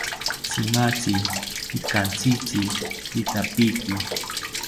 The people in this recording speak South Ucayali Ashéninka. Tzimatzi ikatzitzi itapiki